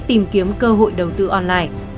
tìm kiếm cơ hội đầu tư online